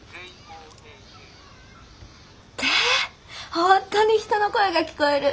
本当に人の声が聞こえる。